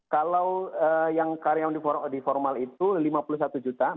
kalau yang karyawan di formal itu lima puluh satu juta berdasarkan kategori karyawan